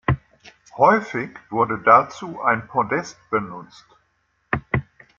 Häufig wurde dazu ein Podest benutzt.